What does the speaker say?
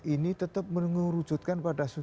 ini tetap mengerujutkan pada